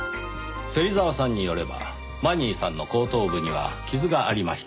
芹沢さんによればマニーさんの後頭部には傷がありました。